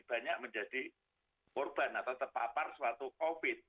banyak menjadi korban atau terpapar suatu covid sembilan belas